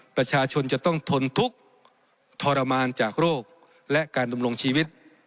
ประชาชนจะต้องทนทุกข์ทรมานจากโรคและการดำรงชีวิต